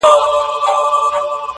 • وګړي ډېر سول د نیکه دعا قبوله سوله -